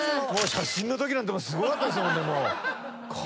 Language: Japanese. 写真のときなんてすごかったですもんね